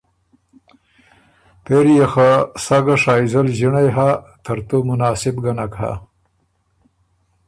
پېري يې خه سَۀ ګه شائزل ݫِنړئ هۀ ترتُو مناسب ګۀ نک هۀ۔